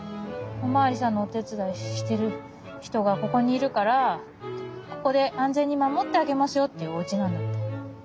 おまわりさんのおてつだいしてるひとがここにいるからここであんぜんにまもってあげますよっていうおうちなんだって。